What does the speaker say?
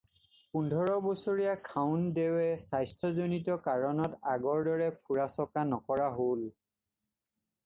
পোন্ধৰ বছৰীয়া খাউণ্ড দেৱে স্বাস্থ্য জনিত কাৰণত আগৰ দৰে ফুৰা-চকা নকৰা হ'ল।